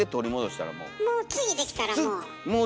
もう次できたらもう。